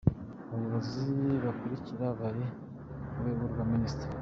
Abayobozi bakurikira bari ku rwego rwa Minisitiri :.